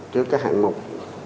trước các hạ mục